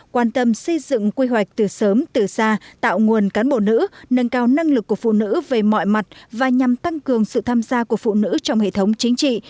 quan tâm xây dựng quy hoạch từ sớm từ xa tạo nguồn cán bộ nữ nâng cao năng lực của phụ nữ về mọi mặt và nhằm tăng cường sự tham gia của phụ nữ trong hệ thống chính trị